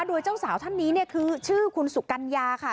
โดยเจ้าสาวท่านนี้เนี่ยคือชื่อคุณสุกัญญาค่ะ